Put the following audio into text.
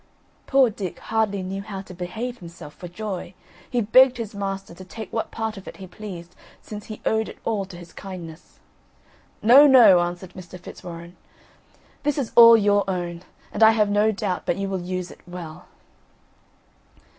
Poor Dick hardly knew how to behave himself for joy. He begged his master to take what part of it he pleased, since he owed it all to his kindness. "No, no," answered Mr. Fitzwarren, "this is all your own; and I have no doubt but you will use it well."